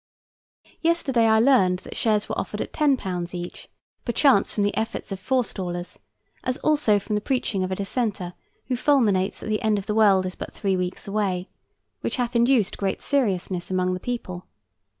Yesterday I learned that shares were offered at £10 each, perchance from the efforts of forestallers, as also from the preaching of a dissenter, who fulminates that the end of the world is but three weeks away, which hath induced great seriousness among the people.